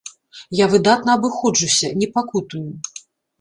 Я выдатна абыходжуся, не пакутую.